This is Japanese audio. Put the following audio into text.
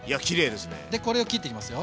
でこれを切っていきますよ。